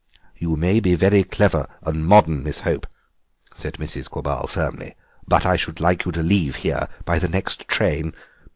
"You may be very clever and modern, Miss Hope," said Mrs. Quabarl firmly, "but I should like you to leave here by the next train.